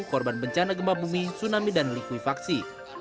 korban bencana gempa bumi tsunami dan likuifaksi